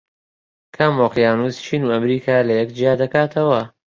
کام ئۆقیانوس چین و ئەمریکا لەیەک جیا دەکاتەوە؟